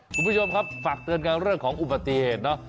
คุณผู้ชมครับฝากเตือนกันเรื่องของอุบัติเหตุเนาะ